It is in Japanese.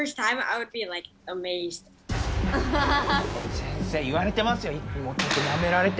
先生言われてますよ。